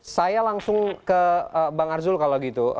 saya langsung ke bang arzul kalau gitu